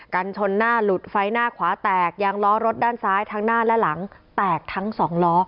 กันชนหน้าหลุดไฟหน้าขวาแตกยางล้อรถด้านซ้ายทั้งหน้าและหลังแตกทั้งสองล้อ